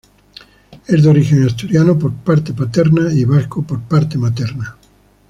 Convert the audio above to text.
Es de origen asturiano por parte paterna y vasco por parte materna.